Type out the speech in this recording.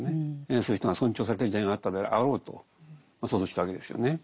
そういう人が尊重された時代があったであろうと想像したわけですよね。